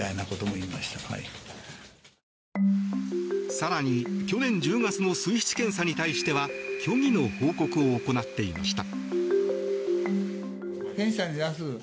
更に、去年１０月の水質検査に対しては虚偽の報告を行っていました。